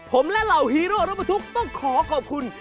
ผมและเหล่าฮีโร่รถบรรทุกต้องขอขอบคุณ